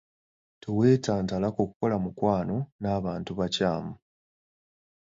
Towetantala ku kukola mukwano n'abantu bakyamu.